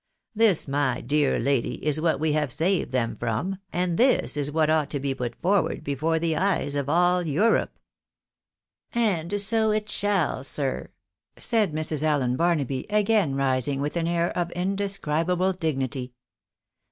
This, my dear lady, is what we have saved them from, and this is what ought to be put forward before the eyes of all Europe." " And so it shall, sie," said Llrs. Allen Barnaby, again rising, with an air of indescribable dignity.